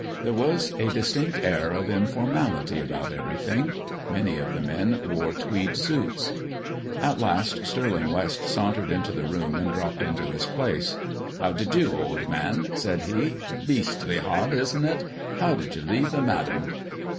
There was a distinct air of informality about everything. Many of the men wore tweed suits. At last, Stirling West sauntered into the room and dropped into his place. "How d'e do, old man?" said he. "Beastly hot, isn't it? How did you leave the madam?"